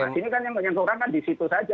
mas ini kan yang menyentuh orang kan di situ saja